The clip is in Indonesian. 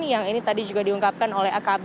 yang ini tadi juga diungkapkan oleh akb